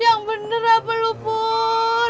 yang bener apa lu pur